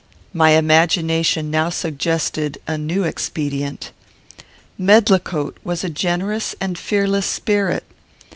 My imagination now suggested a new expedient. Medlicote was a generous and fearless spirit.